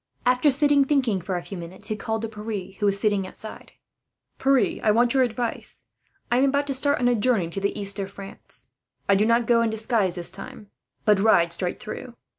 After sitting thinking for a few minutes he called to Pierre, who was sitting outside. "Pierre, I want your advice. I am about to start on a journey to the east of France. I do not go this time in disguise, but ride straight through.